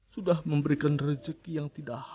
sudah memberikan rezeki yang tidak